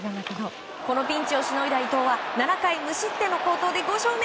このピンチをしのいだ伊藤は、７回無失点で５勝目。